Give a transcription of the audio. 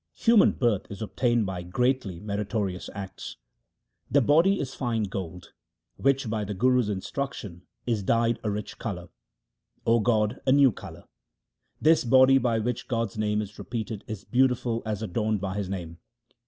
Human birth is obtained by greatly meritorious acts ; the body is fine gold Which by the Guru's instruction is dyed a rich colour, O God, a new colour. This body by which God's name is repeated is beautiful as adorned by His name.